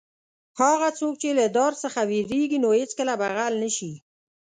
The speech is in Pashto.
هغه څوک چې له دار څخه وېرېږي نو هېڅکله به غل نه شي.